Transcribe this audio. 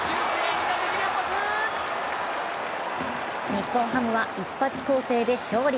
日本ハムは一発攻勢で勝利。